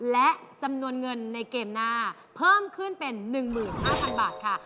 และจำนวนเงินในเกมหน้าเพิ่มขึ้นเป็น๑๕๐๐๐บาทค่ะ